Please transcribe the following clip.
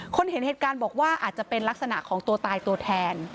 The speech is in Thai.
เห็นเหตุการณ์บอกว่าอาจจะเป็นลักษณะของตัวตายตัวแทน